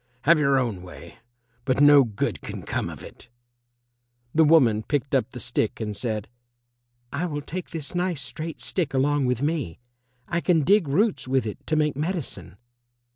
Have your own way, but no good can come of it." The woman picked up the stick and said, "I will take this nice straight stick along with me. I can dig roots with it to make medicine."